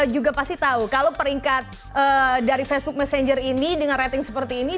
juga pasti tahu kalau peringkat dari facebook messenger ini dengan rating seperti ini